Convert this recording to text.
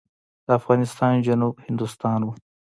د افغانستان جنوب هندوستان و.